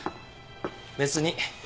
別に。